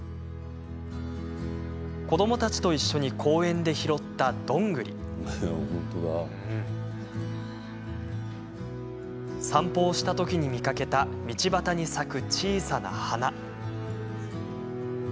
子どもたちと一緒に公園で拾った、どんぐり散歩をしたときに見かけた道端に咲く小さな花